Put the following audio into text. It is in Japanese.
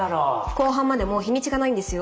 公判までもう日にちがないんですよ。